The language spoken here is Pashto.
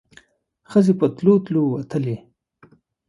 ښځې په تلو تلو وتلې.